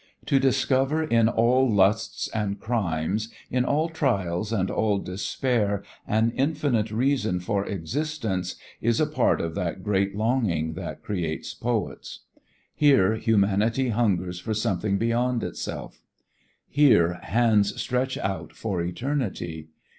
To discover in all lusts and crimes, in all trials and all despair, an infinite reason for existence is a part of that great longing that creates poets. Here humanity hungers for something beyond itself. Here hands stretch out for eternity.